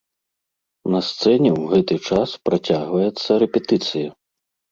На сцэне ў гэты час працягваецца рэпетыцыя.